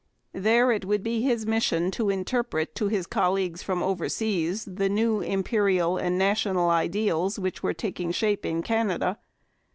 There it would be his mission to interpret to his colleagues from overseas the new imperial and national ideals which were taking shape in Canada.